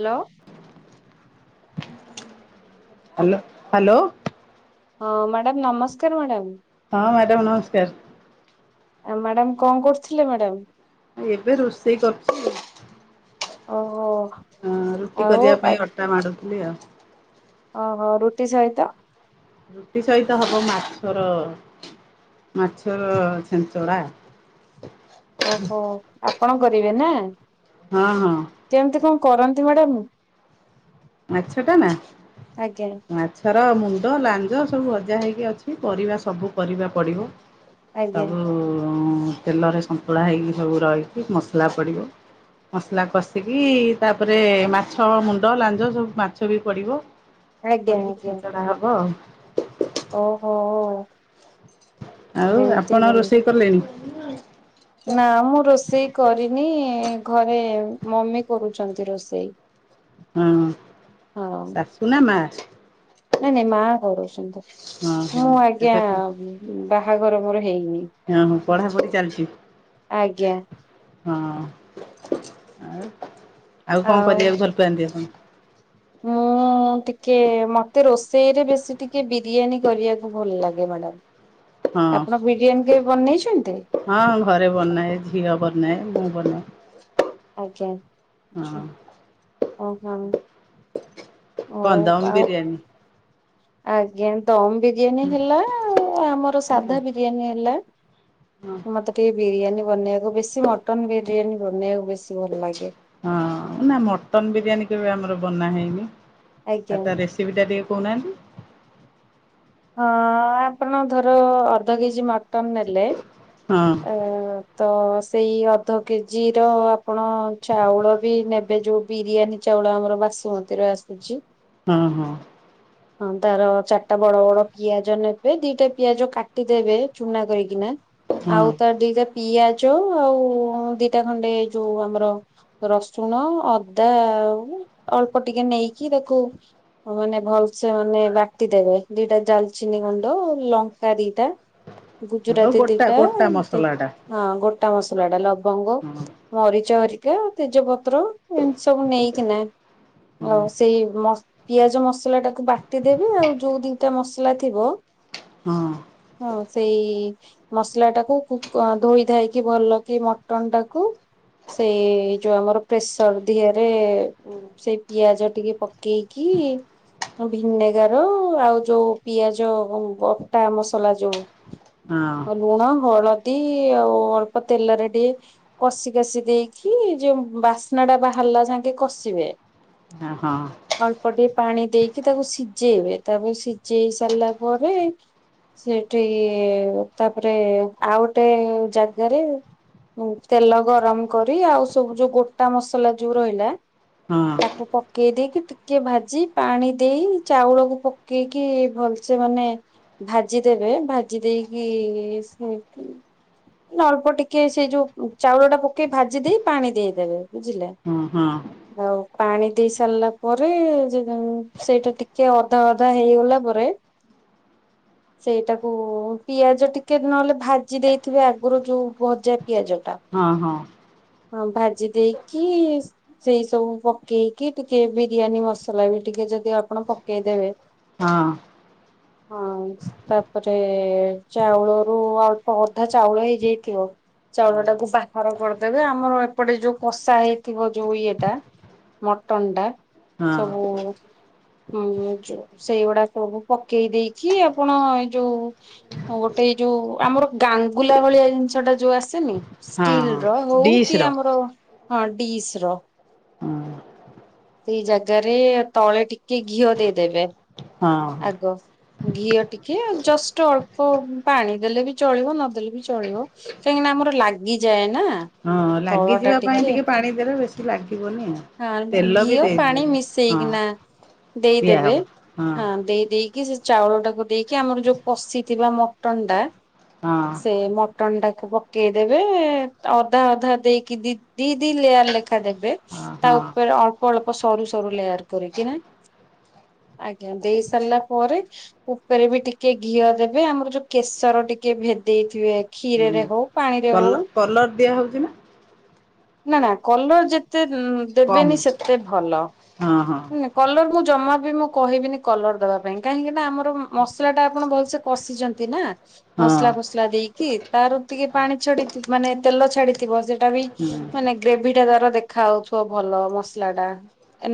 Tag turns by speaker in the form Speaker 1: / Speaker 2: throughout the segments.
Speaker 1: Hello.
Speaker 2: Hello hello.
Speaker 1: ହଁ, madam ନମସ୍କାର madam.
Speaker 2: ହଁ, ମ୍ୟାଡ଼ାମ ନମସ୍କାର।
Speaker 1: ଆଉ ମ୍ୟାଡାମ, କଣ କରୁଥିଲେ ମ୍ୟାଡାମ?
Speaker 2: ଏବେ ରୋଷେଇ କରୁଛି।
Speaker 1: ଓହୋ।
Speaker 2: ହଁ ରୁଟି
Speaker 1: ଆଉ
Speaker 2: କରିବା ପାଇଁ ଅଟା ମାଡୁଥିଲି ଆଉ।
Speaker 1: ଓହୋ ରୁଟି ସହିତ
Speaker 2: ରୁଟି ସହିତ ହବ ମାଛର ମାଛର ଛେଞ୍ଚଡ଼ା।
Speaker 1: ଓହୋ ଆପଣ କରିବେ ନା?
Speaker 2: ହଁ ହଁ।
Speaker 1: କେମିତି କଣ କରନ୍ତି ମ୍ୟାଡାମ?
Speaker 2: ମାଛଟା ନା।
Speaker 1: ଆଜ୍ଞା
Speaker 2: ମାଛର ମୁଣ୍ଡ ଲାଞ୍ଜ ସବୁ ଭଜା ହେଇକି ଅଛି ପରିବା ସବୁ ପରିବା ପଡ଼ିବ।
Speaker 1: ଆଜ୍ଞା
Speaker 2: ସବୁ ତେଲରେ ସନ୍ତୁଳା ହେଇକି ସବୁ ରହିକି ମସଲା ପଡିବ। ମସଲା କଷିକି ତାପରେ ମାଛ ମୁଣ୍ଡ ଲା ସବୁ ମାଛ ବି ପଡ଼ିବ
Speaker 1: ଆଜ୍ଞା
Speaker 2: ପଡ଼ିକି
Speaker 1: ଆଜ୍ଞା
Speaker 2: ଛିଞ୍ଚଡ଼ା ହବ ଆଉ
Speaker 1: ଓହୋ।
Speaker 2: ଆଉ
Speaker 1: ଏମିତି
Speaker 2: ଆପଣ ରୋଷେଇ କଲେଣି?
Speaker 1: ନା ମୁଁ ରୋଷେଇ କରିନି ଘରେ ମମି କରୁଛନ୍ତି ରୋଷେଇ।
Speaker 2: ହଁ
Speaker 1: ହଁ
Speaker 2: ଶାଶୁ ନା ମା‌?
Speaker 1: ନାଇଁ ନାଇଁ ମା କରୁଛନ୍ତି ତ
Speaker 2: ହଁ ହଁ
Speaker 1: ମୁଁ ଆଜ୍ଞା
Speaker 2: ଏବେ କଣ
Speaker 1: ବାହାଘର ମୋର ହେଇନି।
Speaker 2: ହଁ ହଁ ପଢାପଢି ଚାଲିଛି?
Speaker 1: ଆଜ୍ଞା
Speaker 2: ହଁ ଆଉ ଆଉ କଣ କରିବା ଭଲ ପାଆନ୍ତି ଆପଣ?
Speaker 1: ହଁ। ମୁଁ ଟିକେ ମତେ ରୋଷେଇରେ ବେଶୀ ଟିକେ ବିରିୟାନୀ କରିବାକୁ ଭଲ ଲାଗେ ମ୍ୟାଡ଼ାମ।
Speaker 2: ହଁ
Speaker 1: ଆପଣ ବିରିୟାନୀ କେବେ ବନେଇଛନ୍ତି।
Speaker 2: ହଁ ଘରେ ବନାଏ ଝିଅ ବନାଏ ମୁଁ ବନାଏ।
Speaker 1: ଆଜ୍ଞା
Speaker 2: ହଁ।
Speaker 1: [inaudible] ହଉ
Speaker 2: କନ୍ଦମ
Speaker 1: ଆଉ
Speaker 2: ବିରିୟାନୀ
Speaker 1: ଆଜ୍ଞା ଦମ୍ ବି ବିରିୟାନୀ ହେଲା ଆ ଆମର ସାଧା ବିରିୟାନୀ ହେଲା
Speaker 2: ହଁ
Speaker 1: ମତେ ମତେ ବିରିୟାନୀ ବନେଇବାକୁ ବେଶୀ ମଟନ ବିରିୟାନୀ ବନେଇବାକୁ ବେଶୀ ଭଲ ଲାଗେ।
Speaker 2: ହଁ ନା ମଟନ ବିରିୟାନୀ କେବେ ଆମର ବନା ହେଇନି
Speaker 1: ଆଜ୍ଞା
Speaker 2: ଆ ତା ରେ ସୁବିଧା ଦିଏ କହୁନାହାନ୍ତି।
Speaker 1: ହଁ ଆପଣ ଧର ଅଧ କେଜି ମଟନ ନେଲେ।
Speaker 2: ହଁ
Speaker 1: ତ ସେଇ ଅଧ କେଜିର ଆପଣ ଚାଉଳ ବି ନେବେ ଯୋଉ ବିରିୟାନୀ ଚାଉଳ ଆମର ବାସୁମତୀର ଆସୁଛି।
Speaker 2: ହଁ ହଁ।
Speaker 1: ହଁ ତାର ଚାରିଟା ବଡ ବଡ ପିଆଜ ନେବେ ଦିଟା ପିଆଜ କାଟିଦେବେ ଚୁନା କରିକିନା
Speaker 2: ହଁ।
Speaker 1: ଆଉ ତାର ଦିଟା ପିଆଜ ଆଉ ଦିଟା ଖଣ୍ଡେ ଯୋଉ ଆମର ପି ରସୁଣ ଅଦା ଆଉ ଅଳ୍ପ ଟିକେ ନେଇକି ତାକୁ ମାନେ ଭଲସେ ମାନେ ବାଟିଦେବେ ଦିଟା ଡାଲଚିନି ଗୁଣ୍ଡ ଲଙ୍କା ଦିଟା
Speaker 2: ଆଉ
Speaker 1: ଗୁଜୁରାତି
Speaker 2: ଗୋଟା
Speaker 1: ଦିଟା
Speaker 2: ଗୋଟା
Speaker 1: ଏମିତି
Speaker 2: ମସଲା ଟା
Speaker 1: ହଁ ଗୋଟା ମସଲାଟା ଲବଙ୍ଗ
Speaker 2: ହଁ
Speaker 1: ମରିଚ ହରିକା ତେଜପତ୍ର। ଏମିତି ସବୁ ନେଇକିନା
Speaker 2: ହଁ
Speaker 1: ଆଉ ସେଇ ମ ପିଆଜ ମସଲାଟାକୁ ବାଟିଦେବେ ଆଉ ଯୋଉ ଦିଟା ମସଲା ଥିବ?
Speaker 2: ହଁ।
Speaker 1: ହଁ ସେଇ ମସଲାଟାକୁ ଧୋଇ ଧାଇକି ଭଲ କି ମଟନ ଟାକୁ ସେଇ ଯୋଉ ଆମର ପ୍ରେସର ଦିହରେ ସେଇ ପିଆଜ ଟିକେ ପକେଇକି ଭିିନେଗାର ଆଉ ଯୋଉ ପିଆଜ ବଟା ମସଲା ଯୋଉ
Speaker 2: ହଁ।
Speaker 1: ଲୁଣ ହଳଦୀ ଆଉ ଅଳ୍ପ ତେଲରେ ଟିକେ। କଷି କାଶୀ ଦେଇକି ଯୋଉ ବାସ୍ନା ଟା ବାହାରିଲା ଯାଙ୍କେ କଷିବେ।
Speaker 2: ଆ ହଁ।
Speaker 1: ଅଳ୍ପ ଟିକେ ପାଣି ଦେଇକି ତାକୁ ସିଝେଇବେ ତାପରେ ସିଝେଇ ସାରିଲା ପରେ। ସେଠି ତାପରେ ଆଉ ଗୋଟେ ଜାଗାରେ। ତେଲ ଗରମ କରି ଆଉ ସବୁ ଯୋଉ ଗୋଟା ମସଲା ଯୋଉ ରହିଲା।
Speaker 2: ହଁ।
Speaker 1: ତାକୁ ପକେଇ ଦେଇକି ଟିକେ ଭାଜି ପାଣି ଦେଇ ଚାଉଳକୁ ପକେଇ କି ଭଲସେ ମାନେ ଭାଜି ଦେବେ ଭାଜି ଦେଇକି ସେମତି ଅଳ୍ପ ଟିକେ ସେଇ ଯୋଉ ଚାଉଳ ଟା ପକେଇ ଭାଜି ଦେଇ ପାଣି ଦେଇଦେବେ ବୁଝିଲେ।
Speaker 2: ହଁ ହଁ।
Speaker 1: ଆଉ ପାଣି ଦେଇ ସାରିଲା ପରେ ସେଇଟା ଟିକେ ଓଦା ଓଦା। ହେଇଗଲା ପରେ। ସେଇଟାକୁ ପିଆଜ ଟିକେ ନହେଲେ ଭାଜି ଦେଇଥିବେ ଆଗରୁ ଯୋଉ ଭଜା ପିଆଜ ଟା।
Speaker 2: ହଁ ହଁ।
Speaker 1: ହଁ ଭାଜି ଦେଇକି ସେଇ ସବୁ ପକେଇକି ଟିକେ ବିରିୟାନୀ ମସଲା ବି ଟିକେ ଯଦି ଆପଣ ପକେଇଦେବେ।
Speaker 2: ହଁ।
Speaker 1: ହଁ ତାପରେ ଚାଉଳର ଆଉ ଅଳ୍ପ ଅଧା ଚାଉଳ ହେଇଯାଇଥିବ। ଚାଉଳ
Speaker 2: ହଁ।
Speaker 1: ଟାକୁ ବାହାର କରିଦେବେ ଆମର ଏପଟେ ଯୋଉ କଷା ହେଇଥିବ ଯୋଉ ଇଏଟା। ମଟନ ଟା
Speaker 2: ହଁ
Speaker 1: ସବୁ ହଁ ଉମ୍। ସେଇଗୁଡା ସବୁ ପକେଇ ଦେଇକି ଆପଣ ଏ ଯୋଉ ଆଉ ଗୋଟେ ଏଇ ଯୋଉ ଆମର ଗାଙ୍ଗୁଲା ଭଳିଆ ଜିନିଷ ଟା ଯୋଉ ଆସେନି ଷ୍ଟିଲ୍
Speaker 2: ହଁ
Speaker 1: ର ହଉ
Speaker 2: ଡିସ୍
Speaker 1: କି
Speaker 2: ର
Speaker 1: ଆମର ହଁ ଡିସର।
Speaker 2: ହୁଁ।
Speaker 1: ସେଇ ଜାଗାରେ ତଳେ ଟିକେ ଘିଅ ଦେଇଦେବେ।
Speaker 2: ହଁ ହଁ।
Speaker 1: ଆଗ ଘିଅ ଟିକେ ଆଉ ଜଷ୍ଟ ଅଳ୍ପ ପାଣି ଦେଲେ ବି ଚଳିବ ନଦେଲେ ବି ଚଳିବ। କାହିଁକିନା ଆମର ଲାଗିଯାଏ ନା।
Speaker 2: ହଁ
Speaker 1: ତଳ ଟା
Speaker 2: ଲାଗିଯିବା ପାଇଁ ଟିକେ ପାଣି ଦେଲେ ବେଶୀ ଲାଗିବନି ଆଉ।
Speaker 1: ହଁ
Speaker 2: ତେଲ ବି
Speaker 1: ଘିଅ ପାଣି
Speaker 2: ଦେଇଦେବେ ହଁ
Speaker 1: ମିଶେଇକିନା ଦେଇଦେବେ ହଁ ଦେଇ ଦେଇ ସେ ଚାଉଳ ଟାକୁ ଦେଇକି ଆମର ଯୋଉ କଷିଥିବା ମଟନ୍ ଟା
Speaker 2: ହଁ।
Speaker 1: ସେ ମ ମଟନ ଟାକୁ ପକେଇଦେବେ ଅଦା ଅଧା ଦେଇକି ଦି ଦି ଦି ଲେୟାର ଲେଖା ଦେବେ।
Speaker 2: ଅ
Speaker 1: ତା
Speaker 2: ହଁ
Speaker 1: ଉପେରେ ଅଳ୍ପ ଅଳ୍ପ ସରୁ ସରୁ ଲେୟାର କରିକି ନା ଆଜ୍ଞା ଦେଇ ସାରିଲା ପରେ ଉପେରେ ବି ଟିକେ ଘିଅ ଦେବେ ଆମର ଯୋଉ କେଶର ଟିକେ ଭେଦେଇଥିବେ
Speaker 2: ହୁଁ
Speaker 1: କ୍ଷୀରେରେ ହଉ। ପାଣିରେ ହଉ
Speaker 2: କଲ କଲର ଦିଆ ହଉଚି ନା।
Speaker 1: ନା ନା କଲର ଯେତେ ଉଁ
Speaker 2: କମ୍
Speaker 1: ଦେବେନି ସେତେ ଭଲ।
Speaker 2: ହଁ ହଁ।
Speaker 1: କଲର ମୁଁ ଜମା ବି ମୁଁ କହିବିନି କଲର ଦବା ପାଇଁ କାହିଁକି ନା ଆମର ଉମ ମସଲା ଟା ଆପଣ ଭଲସେ କଷିଚନ୍ତି ନା।
Speaker 2: ହଁ
Speaker 1: ମସଲା ଫସଲା ଦେଇକି ତାର ଟିକେ ପାଣି ଛାଡିଥି ମାନେ ତେଲ ଛାଡିଥିବ ସେ ଟା ବି
Speaker 2: ହୁଁ
Speaker 1: ମାନେ ଗ୍ରେଭି ଟା ତାର ଦେଖାଯାଉଥିବ ଭଲ ମସଲା ଟା।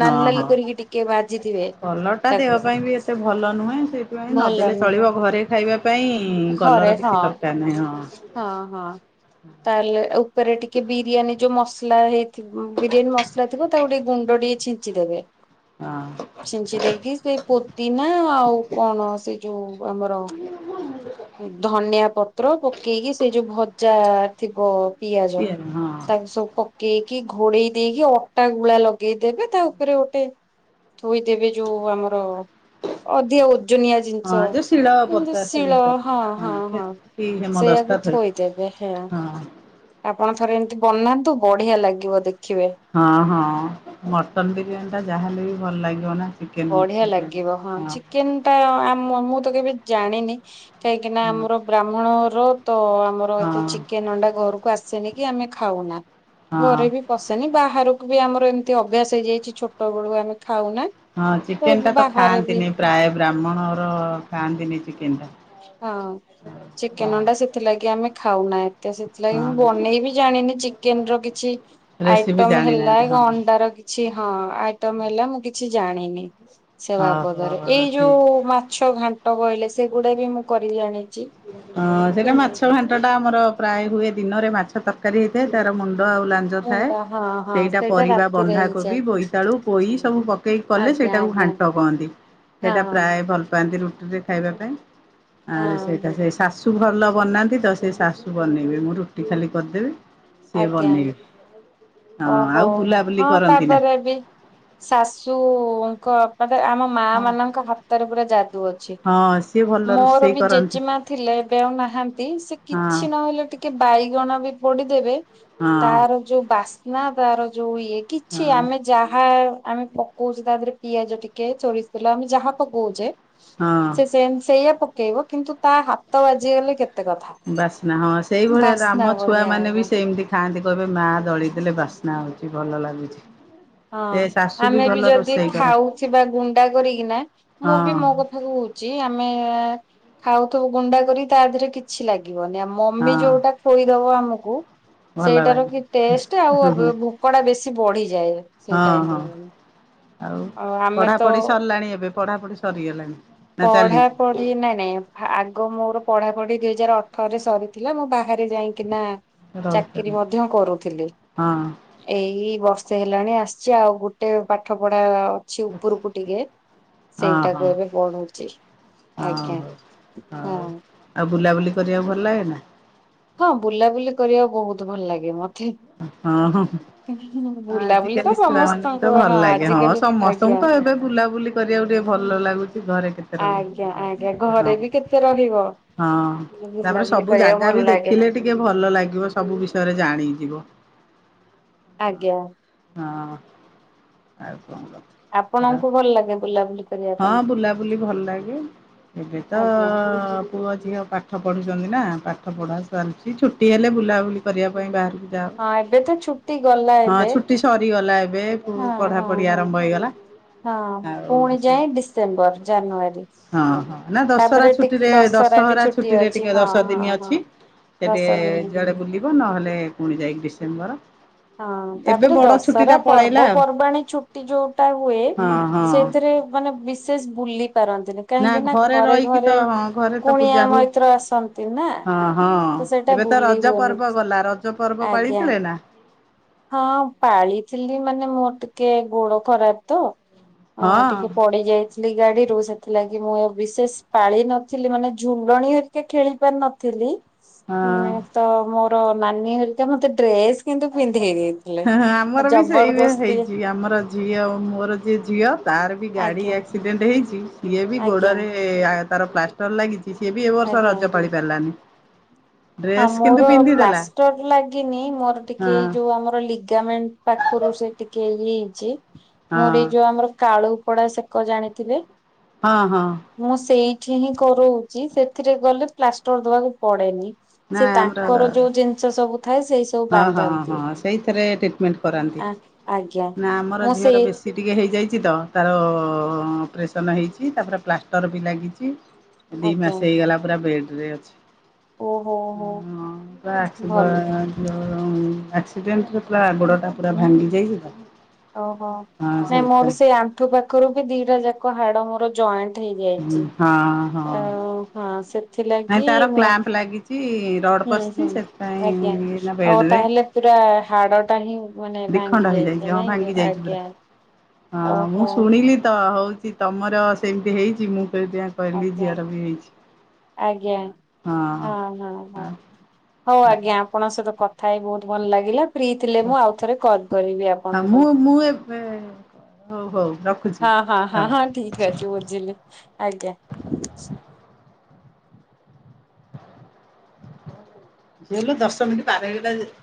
Speaker 1: ନାଲି
Speaker 2: ହଁ
Speaker 1: ନାଲି
Speaker 2: ହଁ।
Speaker 1: କରିକି ଟିକେ ଭାଜିଥିବେ
Speaker 2: କଲର ଟା ଦେହ
Speaker 1: ତାକୁ
Speaker 2: ପାଇଁ ବି ଏତେ ଭଲ ନୁହେଁ ସେଇଥିପାଇଁ ନଦେଲେ
Speaker 1: ଭଲ
Speaker 2: ଚଳିବ। କ ଘରେ ଖାଇବା ପାଇଁ
Speaker 1: ଘରେ
Speaker 2: କଲର
Speaker 1: ହଁ
Speaker 2: କିଛି ଦରକାର ନାହିଁ ହଁ।
Speaker 1: ହଁ ହଁ। ତାହେଲେ ଉପେରେ ଟିକେ ବିରିୟାନୀ ଯୋଉ ମସଲା ହେଇଥି ଉମ ବିରିୟାନୀ ମସ ସଲା ଥିବ ତାକୁ ଟିକେ ଗୁଣ୍ଡ ଟିକେ ଛିଞ୍ଚିଦେବେ।
Speaker 2: ହଁ।
Speaker 1: ଛିଞ୍ଚି ଦେଇକି ସେ ପୋଦିନା ଆଉ କଣ ସେଇ ଯୋଉ ଆମର ଧନିଆ ପତ୍ର ପକେଇକି ସେ ଯୋଉ ଭଜା ଆ ଆ ଥିବ ପିଆଜ ତାକୁ ସବୁ ପକେଇକି ଘୋଡେଇ ଦେଇକି ଅଟା ଗୁଳା ଲଗେଇଦେବେ ତା ଉପେରେ ଗୋଟେ ଥୋଇଦେବେ ଯୋଉ ଆମର ଅଧିକ ଓଜନିଆ ଜିନ ଷ
Speaker 2: ହଁ ଯୋଉ ଶିଳ
Speaker 1: ଯେମତି
Speaker 2: ପତା ଶିଳି
Speaker 1: ଶିଳ
Speaker 2: ପତା
Speaker 1: ହଁ ହଁ ହଁ
Speaker 2: କି ହେମଦସ୍ତା
Speaker 1: ସେଇଆକୁ
Speaker 2: ଥୋଇ
Speaker 1: ଥୋଇଦେବେ ହେଁ।
Speaker 2: ହଁ।
Speaker 1: ଆପଣ ଥରେ ଏମତି ବନାନ୍ତୁ ବଢ଼ିଆ ଲାଗିବ ଦେଖିବେ।
Speaker 2: ହଁ ହଁ ମଟନ୍ ବିରିୟାନୀ ଟା ଯାହାହେଲେ ବି ଭଲ ଲାଗିବ ନା। ଚିକେନ
Speaker 1: ବଢ଼ିଆ
Speaker 2: ବିରିୟାନୀ
Speaker 1: ଲାଗିବ ହଁ ଚିକେନ୍ ଟା ଆମ ମ ମୁଁ ତ କେବେ ଜାଣିନି କାହିଁକିନା
Speaker 2: ହଁ
Speaker 1: ଆମର ବ୍ରାହ୍ମଣ ଘର ତ ଆମ ର ଏତେ
Speaker 2: ହଁ
Speaker 1: ଚିକେନ୍ ଅଣ୍ଡା ଘରୁକୁ ଆସେନି କି ଆମେ ଖାଉନା
Speaker 2: ହଁ
Speaker 1: ଘରେ ବି ପସେନି ବାହାରକୁ ବି ଆମର ଏମତି ଅଭ୍ୟାସ ହେଇଯାଇଚି ଛୋଟ ବେଳୁ ଆମେ ଖାଉନା।
Speaker 2: ହଁ ଚିକେନ
Speaker 1: ଏବେ
Speaker 2: ଟା ତ
Speaker 1: ବାହାରେ ବି
Speaker 2: ଖାଆନ୍ତିନି ପ୍ରାଏ ବ୍ରାହ୍ମଣ ଘର ଖାଆନ୍ତିନି ଚିକେନ ଟା।
Speaker 1: ହଁ ଚିକେନ ଅଣ୍ଡା ସିଥ୍ ଥିଲାଗି ଆମେ ଖାଉନା ଏତେ ସେଥିଲାଗି ମୁଁ
Speaker 2: ହଁ
Speaker 1: ବନେଇବି ଜାଣିନି ଚିକେନ ର କିଛି।
Speaker 2: ରେସିପି
Speaker 1: ଆଇଟମ୍ ହେଲା
Speaker 2: ଜାଣିନାହାନ୍ତି ହଁ
Speaker 1: କ ଅଣ୍ଡାର କିଛି ହଁ ଆଇଟମ୍ ହେଲା ମୁଁ କିଛି ଜାଣିନି। ସେ ବାବଦରେ ଏଇ
Speaker 2: ଓହୋ
Speaker 1: ଯୋଉ
Speaker 2: ଠିକ
Speaker 1: ଉ ଉ ମାଛ ଘାଣ୍ଟ କଇଲେ ସେଗୁଡା ବି ମୁଁ କରି ଜାଣିଚି।
Speaker 2: ହଁ ସେଇଟା ମାଛ ଛ ଘାଣ୍ଟ ଟା ଆମର ପ୍ରାଏ ହୁଏ ଦିନରେ ମାଛ ତରକାରୀ ହେଇଥାଏ ତାର ମୁଣ୍ଡ ଆଉ ଲାନ ଞ୍ଜ ଥାଏ
Speaker 1: ମୁଣ୍ଡା ହଁ ହଁ
Speaker 2: ସେଇଟା ପରିବା
Speaker 1: ରାତିରେ
Speaker 2: ବନ୍ଧାକୋବି,
Speaker 1: ହେଇଯାଏ
Speaker 2: ବୋଇତାଳୁ, ପୋଇ ସବୁ ପକେଇ କଲେ
Speaker 1: ଆଜ୍ଞା
Speaker 2: ସେଇଟାକୁ
Speaker 1: ଆଜ୍ଞା
Speaker 2: ଘାଣ୍ଟ କହନ୍ତି ସେଇଟା
Speaker 1: ହଁ।
Speaker 2: ପ୍ରାଏ ଭଲ ପାଆନ୍ତି ରୁଟିରେ ଖାଇବା ପାଇଁ ଆଉ ସେଇ ଟା
Speaker 1: ହଁ
Speaker 2: ଯେ ଶାଶୁ ଭଲ ବନାନ୍ତି ତ ସେ ଶାଶୁ ବନେଇବେ ମୁଁ ରୁଟି ଖାଲି କରଦେବି। ସିଏ
Speaker 1: ଆଜ୍ଞା
Speaker 2: ବନେଇବେ। ହଁ
Speaker 1: ଓହୋ
Speaker 2: ଆଉ ବୁଲାବୁଲି
Speaker 1: ହଁ
Speaker 2: କରନ୍ତି ନା।
Speaker 1: ତାପରେ ବି ଶାଶୁ ଉ ଉ ଉ ଙ୍କ ପରେ ଆମ ମାଆ
Speaker 2: ହଁ
Speaker 1: ମାନଙ୍କ ହାତରେ ପୁରା ଯାଦୁ ଅଛି।
Speaker 2: ହଁ ସିଏ ଭଲ
Speaker 1: ମୋର
Speaker 2: ରୋଷେଇ
Speaker 1: ବି
Speaker 2: କରନ୍ତି
Speaker 1: ଜେଜେମା ଥିଲେ ଏବେ ଆଉ ନାହାନ୍ତି ସେ
Speaker 2: ହଁ
Speaker 1: କିଛି ନହେଲେ ଟିକ୍ କେ ବାଇଗଣ ବି ପୋଡ଼ିଦେବେ
Speaker 2: ହଁ
Speaker 1: ତାର ଯୋଉ ବାସ୍ନା ତାର ଯୋଉ ଇଏ କିଛି
Speaker 2: ହଁ
Speaker 1: ଆମେ ଯାହା ଆମେ ପ କଉଚେ ତା ଦେହେରେ ପିଆଜ ଟିକେ ସୋରିଷ ତେଲ ଆମେ ଯାହା ପକଉଚେ
Speaker 2: ହଁ।
Speaker 1: ସେଇ ସେମ ସେୟା ପକ କେଇବ କିନ୍ତୁ ତା ହାତ ବାଜିଗଲେ କେତ
Speaker 2: ବାସ୍ନା ହଁ ସେଇଭଳିଆ ତ ଆମ ଛୁଆ
Speaker 1: ବଢିଆ
Speaker 2: ମାନେ
Speaker 1: ହେବ।
Speaker 2: ବି ସେମତି ଥାଆନ୍ତି କହିବେ ମା ଦଳି ଦେଲେ ବାସ୍ନା ହଉଚି ଭଲ ଲାଗୁଚି।
Speaker 1: ହଁ ଆମେ ବି ଯଦି
Speaker 2: କର
Speaker 1: ଖାଉଥିବା ଗୁଣ୍ଡା କରିକିନା ମୁଁ ବି
Speaker 2: ହଁ
Speaker 1: ମୋ କଥ ଥା କହୁଚି ଆମେ ଏ ଏ ଏ ଖାଉଥୁବୁ ଗୁଣ୍ଡା କରି ତା ଦେହରେ କି ଛି ଲାଗିବନି ଆ ମମି
Speaker 2: ହଁ
Speaker 1: ଯୋଉଟା ଥୋଇଦବ ଆମୁକୁ
Speaker 2: ଭଲ
Speaker 1: ସେଇଟାର
Speaker 2: ଲାଗେ
Speaker 1: କି ଟେଷ୍ଟେ ଆଉ
Speaker 2: ହଁ
Speaker 1: ବ
Speaker 2: ହଁ
Speaker 1: ଭୁକଡା ବେଶୀ ବଢ଼ିଯାଏ ସେଇ ଟାଇମରେ।
Speaker 2: ହଁ ଆଉ
Speaker 1: ଆମେ ତ
Speaker 2: ପଢ଼ାପଢ଼ି ସରିଲାଣି ଏବେ ପଢ଼ାପୁଢ଼ି ସରିଗଲାଣି। ନା ଚାଲିଛି
Speaker 1: ପଢ଼ାପଢ଼ି ନାଇଁ ନାଇଁ ଫା ଆଗ ମୋର ପଢ଼ାପଢ଼ି ଦୁଇ ହଜାରେ ଅଠ ଅଠରେ ସରିଥିଲା ମୁଁ ବାହାରେ ଯାଇଁକିନା
Speaker 2: ରହୁଛନ୍ତି
Speaker 1: ଚାକିରି
Speaker 2: ହଁ
Speaker 1: ମଧ୍ୟ କରୁଥିଲି।
Speaker 2: ହଁ
Speaker 1: ଏଇ ବର୍ଷେ ହେଲାଣି ଆସିଚି ଆଉ ଗୋଟେ ପାଠ ପଢ଼ା ଅ ଅ ଅଛି ଉପରକୁ ଟିକେ
Speaker 2: ହଁ ହଁ
Speaker 1: ସେଇଟାକୁ ଏବେ ବଢୁ। ଆଜ୍ଞା
Speaker 2: ହଉ। ହଉ
Speaker 1: ହଁ।
Speaker 2: ଆଉ ବୁଲାବୁଲି କରିବାକୁ ଭଲ ଲାଗେ ନା?
Speaker 1: ହଁ ବୁଲାବୁଲି କରିବାକୁ ବହୁତ ଭଲ ଲାଗେ ମତ୍
Speaker 2: ହଁ ହଁ।
Speaker 1: ବୁଲାବୁଲି ତ
Speaker 2: ଆଜିକାଲି ଛୁଆ ମାନଙ୍କୁ ତ
Speaker 1: ସମସ୍ତଙ୍କୁ
Speaker 2: ଭଲ ଲାଗେ ହଁ
Speaker 1: ଆଜିକାଲି ଆଜ୍ଞା।
Speaker 2: ସମସ୍ତଙ୍କୁ ତ ଏବେ। ବୁଲାବୁଲି କରିବାକୁ ଟିକେ ଭଲ ଲାଗୁଛି ଘରେ କେତେ। ରହିବୁ
Speaker 1: ଆଜ୍ଞା
Speaker 2: ବୁଲାବୁଲି
Speaker 1: ଆଜ୍ଞା
Speaker 2: କରିବା
Speaker 1: ଘରେ
Speaker 2: ହଁ
Speaker 1: ବି କେତେ ରହିବ।
Speaker 2: ହଁ ତାପରେ
Speaker 1: ବୁଲାବୁଲି
Speaker 2: ସବୁ
Speaker 1: କରିବାକୁ
Speaker 2: ଜାଗା ବି
Speaker 1: ଭଲ ଲାଗେ
Speaker 2: ଦେଖିଲେ ଟିକେ ଭଲ ଲାଗିବ ସବୁ ବିଷୟରେ ଜାଣିଯିବ।
Speaker 1: ଆଜ୍ଞା।
Speaker 2: ହଁ ଆଉ କଣ। ଆ
Speaker 1: ଆପଣଙ୍କୁ ଭଲ ଲାଗେ ବୁଲାବୁଲି କରିବା ପାଇଁ
Speaker 2: ହଁ ବୁଲାବୁଲି ଭଲ ଲାଗେ। ଏବେ ତ ଅ
Speaker 1: ଆଜ୍ଞା।
Speaker 2: -ଅଁ- ଅଁ ପୁଅ ଝିଅ ପାଠ ପଢୁଛନ୍ତି ନାଁ ପାଠ ପଢ଼ା ଚାଲିଛି ଛୁଟି ହେଲେ ବୁଲାବୁଲି କରିବା ପାଇଁ ବାହାରକୁ ଯାଉ।
Speaker 1: ହଁ ଏବେ ତ ଛୁଟି ଗଲା ଏବେ।
Speaker 2: ଛୁଟି ସରିଗଲା ଏବେ
Speaker 1: ହଁ
Speaker 2: ପଢା
Speaker 1: ହଁ
Speaker 2: ପଢି
Speaker 1: ହଁ।
Speaker 2: ଆରମ୍ଭ ହେଇଗଲା।
Speaker 1: ହଁ
Speaker 2: ଆଉ
Speaker 1: ପୁଣି
Speaker 2: ସେ
Speaker 1: ଯାଏଁ ଡିସେମ୍ବର, ଜାନୁଆରୀ।
Speaker 2: ହଁ -ହଁ ନାଁ ଦଶହରା
Speaker 1: ତାପରେ ଟିକେ
Speaker 2: ଛୁଟିରେ
Speaker 1: ବି
Speaker 2: ଦଶହରା ଛୁଟି ରେ
Speaker 1: ଅଛି
Speaker 2: ଟିକେ
Speaker 1: ହଁ
Speaker 2: ଦଶ ଦିନ୍
Speaker 1: ହଁ ହଁ
Speaker 2: ଅଛି। ସେଠେ
Speaker 1: ଦଶ ଦିନ।
Speaker 2: ଯୁଆଡେ ବୁଲିବ ନହେଲେ ପୁଣି ଯାଇକି ଡିସେମ୍ବର।
Speaker 1: ହଁ
Speaker 2: ଏବେ
Speaker 1: ତାପରେ
Speaker 2: ବଡ଼ ଛୁଟି
Speaker 1: ଦଶହରା
Speaker 2: ଟା ପଳେଇଲା ଆଉ
Speaker 1: ପର୍ବପର୍ବାଣୀ ଛୁଟି ଯୋଉଟା ହୁଏ।
Speaker 2: ହଁ ହଁ।
Speaker 1: ସେଥିରେ ମାନେ ବିଶେଷ ବୁଲି ପାରନ୍ତିନି। କାହିଁକି ନା ଘରେ
Speaker 2: ରହିକି ତ
Speaker 1: ଘରେ
Speaker 2: ହଁ ଘରେ ତ
Speaker 1: କୁଣିଆ
Speaker 2: ପୂଜା ହୁଏ
Speaker 1: ମୈତ୍ର ଆସନ୍ତି ନା
Speaker 2: ହଁ ହଁ।
Speaker 1: ତ ସେ ସେଟା
Speaker 2: ଏବେ ତ
Speaker 1: ଭୁଲି
Speaker 2: ରଜ
Speaker 1: ହୁଏନି
Speaker 2: ପର୍ବ
Speaker 1: କିଛି
Speaker 2: ଗଲା ରଜ ପର୍ବ
Speaker 1: ଆଜ୍ଞା।
Speaker 2: ପାଳିଥିଲେ ନା
Speaker 1: ହଁ ପାଳିଥିଲି ମାନେ ମୋର ଟିକେ ଗୋଡ ଖରାପ୍ ତ।
Speaker 2: ହଁ
Speaker 1: ଅଁ
Speaker 2: ହଁ।
Speaker 1: ଟିକେ ପଡି ଯାଇଛି। ଗାଡିରୁ ସେଥିଲାଗି ମୁଁ ବିଶେଷ ପାଳି ନଥିଲି ମାନେ ଝୁଣ୍ଡଣି ହେକି ଖେଳି ପାରି ନଥିଲି। ମୁଁ
Speaker 2: ହଁ
Speaker 1: ତ ମୋର ନାନୀ ହେରିକା ମତେ ଡ୍ରେସ୍ କିନ୍ତୁ। ଦେଇ ଦେଇଥିଲେ ଜବରଦସ୍ତି।
Speaker 2: ଏଇ ଆମର ଝିଅ ମୋର ଯିଏ ଝିଅ ତାର ବି ଗାଡି
Speaker 1: ଆଜ୍ଞା
Speaker 2: ଆକ୍ସିଡେଣ୍ଟ୍ ହେଇଛି ସିଏ ବି
Speaker 1: ଆଜ୍ଞା
Speaker 2: ଗୋଡରେ। ଇଏ ତାର ପ୍ଲାଷ୍ଟର ଲାଗିଛି ସିଏ ବି ଏବ ବର୍ଷ
Speaker 1: ଆଜ୍ଞା
Speaker 2: ରଜ ପାଳି ପାରିଲାନି।
Speaker 1: ହଁ
Speaker 2: ଡ୍ରେସ୍ କିନ୍ତୁ
Speaker 1: ମୋର
Speaker 2: ପିନ୍ଧିଦେଲା
Speaker 1: ପ୍ଲାଷ୍ଟର ଲାଗିନି ମୋର
Speaker 2: ହଁ
Speaker 1: ଟିକେ ଏଇ ଯୋଉ ଆମର ଲି ଲିଗାମେଣ୍ଟ୍ ପାଖରୁ ସେ ଟିକେ ଇ ହେଇଛି
Speaker 2: ହଁ
Speaker 1: ମୋର ଏ ଯୋଉ ଆମର କାଳୁ। ପୋଡା ସେକ ଜାଣିଥିଲେ।
Speaker 2: ହଁ ହଁ।
Speaker 1: ମୁଁ ସେଇଠି ହିଁ କରୋଉଛି ସେଥିରେ ଗଲେ ପ୍ଲାଷ୍ଟର ଦବାକୁ ପଡେନି।
Speaker 2: ନା
Speaker 1: ସେ
Speaker 2: ଆମର
Speaker 1: ତାଙ୍କର ଯୋଉ ଜିନିଷ ସବୁ ଥାଏ ସେ
Speaker 2: ହଁ- ହଁ- ହଁ ସେଇଥିରେ ଟ୍ରିଟମେଣ୍ଟ୍ କରାନ୍ତି
Speaker 1: ଆ ଆଜ୍ଞା
Speaker 2: ନା ଆମର
Speaker 1: ମୁଁ ସେଇ
Speaker 2: ଝିଅର ବେଶୀ। ଟିକେ ହେଇଯାଇଛି ତ ତାର ଅପରେସନ୍ ହେଇଛି ତାପରେ ପ୍ଲାଷ୍ଟର ବି ଲାଗିଛି। ଦି
Speaker 1: ଆଜ୍ଞା
Speaker 2: ମାସେ ହେଇଗଲା ପୁରା ବେଡ୍ ରେ ଅଛି।
Speaker 1: ଓହୋ ହୋ
Speaker 2: ହଁ ପା ଆସିବ।
Speaker 1: ଭଲ
Speaker 2: ଆକ୍ସିଡେଣ୍ଟ୍ ରେ ପୁରା ଆ ଗୋଡଟା ପୁରା ଭାଙ୍ଗି ଯାଇଥିଲା?
Speaker 1: ଓହୋ ନାଇଁ ମୋର ସେଇ ଆଣ୍ଠୁ ପାଖରୁ ବି ଦିଟା ଯାକ ହାଡ ମୋର ଜଏଣ୍ଟ୍। ହେଇଯାଇଛି
Speaker 2: ହଁ ହଁ
Speaker 1: ଆଉ ହଁ ସେଥିଲାଗି ମୁଁ
Speaker 2: କି ରଡ୍
Speaker 1: ହୁଁ ହୁଁ
Speaker 2: ପଶଛି ସେଥିପାଇଁ
Speaker 1: ଆଜ୍ଞା।
Speaker 2: ଏନା
Speaker 1: ଆଉ
Speaker 2: ବେଡ୍ ରେ।
Speaker 1: ତାହେଲେ ପୁରା ହାଡ ଟା ହିଁ। ମାନେ
Speaker 2: ଦି
Speaker 1: ଭାଙ୍ଗି
Speaker 2: ଖଣ୍ଡ
Speaker 1: ଯାଇଛି
Speaker 2: ହେଇଯାଇଛି ହଁ
Speaker 1: ନାଇଁ
Speaker 2: ଭାଙ୍ଗି ଯାଇଛି ପୁରା
Speaker 1: ଆଜ୍ଞା।
Speaker 2: ହଁ
Speaker 1: ଓହୋ
Speaker 2: ମୁଁ ଶୁଣିଲି ତ ହଉଛି। କି ତମର ସେମିତି ହେଇଛି ମୁଁ [unintelligible] କହିଲି
Speaker 1: ଆଜ୍ଞା
Speaker 2: ଝିଅର ବି ହେଇଛି।
Speaker 1: ଆଜ୍ଞା ହଁ ହଁ ହଁ ହଉ ଆଜ୍ଞା। ଆପଣଙ୍କ ସହିତ କଥା ହେଇ ବହୁତ ଭଲ ଲାଗିଲା ଫ୍ରି ଥିଲେ ମୁଁ ଆଉ ଥରେ କଲ କରିବି ଆପଣଙ୍କୁ।
Speaker 2: ହୁଁ ହଉ ର
Speaker 1: ହଁ ହଁ ହଁ ହଁ ଠିକ ଅଛି ବୁଝିଲି ଆଜ୍ଞା।
Speaker 2: ଝି ହେଲୁ ଦଶ ମିନିଟ୍ ପାର ହେଇଲା ଯେ।